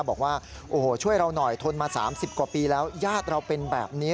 บอกว่าโอ้โหช่วยเราหน่อยทนมา๓๐กว่าปีแล้วญาติเราเป็นแบบนี้